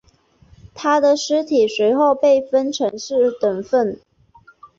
他的尸体随后被分成四等分。